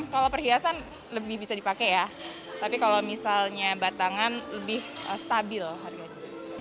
kalau perhiasan lebih bisa dipakai ya tapi kalau misalnya batangan lebih stabil harganya